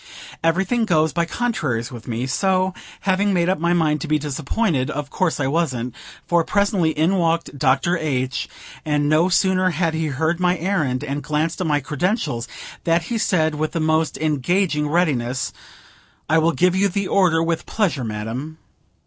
Everything goes by contraries with me; so, having made up my mind to be disappointed, of course I wasn't; for, presently, in walked Dr. H., and no sooner had he heard my errand, and glanced at my credentials, than he said, with the most engaging readiness: "I will give you the order, with pleasure, madam."